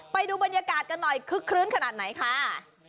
ไปดูบรรยากาศกันหน่อยคึกคลื้นขนาดไหนค่ะ